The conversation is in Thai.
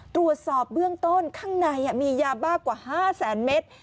ตรวจสอบเบื้องต้นข้างในมียาบ้ากว่า๕แสนเมตร